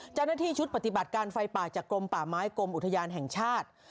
เจ้าหน้าที่ชุดปฏิบัติการไฟป่าจากกรมป่าไม้กรมอุทยานแห่งชาติ